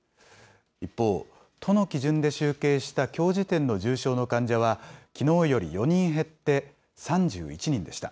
一方、都の基準で集計したきょう時点の重症の患者は、きのうより４人減って３１人でした。